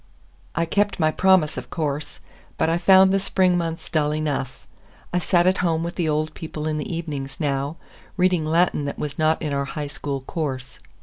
I kept my promise, of course, but I found the spring months dull enough. I sat at home with the old people in the evenings now, reading Latin that was not in our High School course.